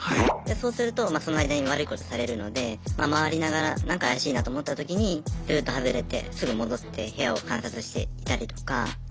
そうするとその間に悪いことされるので回りながらなんか怪しいなと思ったときにルート外れてすぐ戻って部屋を観察していたりとか。